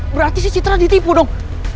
berarti si citra ditipu dok